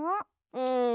うん。